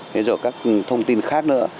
thế rồi các thông tin khác nữa